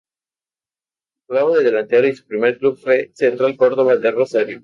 Jugaba de delantero y su primer club fue Central Córdoba de Rosario.